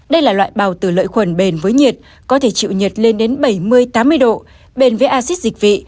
đây là loại bào tử lợi khuẩn bền với nhiệt có thể chịu nhiệt lên đến bảy mươi tám mươi độ bền với acid dịch vị